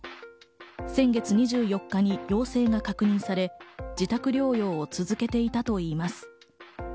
先月２４日に陽性が確認され自宅療養を続けていたといいます。